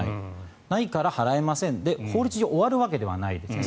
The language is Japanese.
ないから払いませんで法律上終わるわけではないですから。